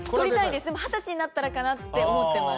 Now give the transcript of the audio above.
でも二十歳になったらかなって思ってます。